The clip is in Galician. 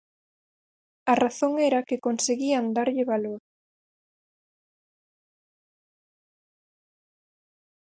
A razón era que conseguían darlle valor.